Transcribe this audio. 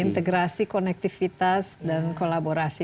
integrasi konektivitas dan kolaborasi